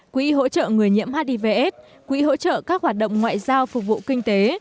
quỹ hỗ trợ người nhiễm hivs quỹ hỗ trợ các hoạt động ngoại giao phục vụ kinh tế